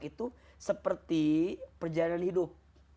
itu seperti perjalanan hidup